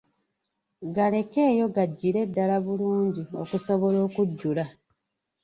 Galekeyo gajjire ddala bulungi okusobola okujjula.